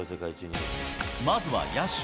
まずは野手。